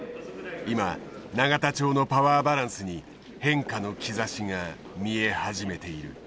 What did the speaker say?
今永田町のパワーバランスに変化の兆しが見え始めている。